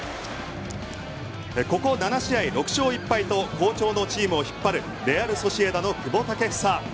ここ７試合６勝１敗と好調のチームを引っ張るレアル・ソシエダの久保建英。